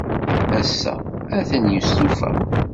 Ass-a, atan yestufa.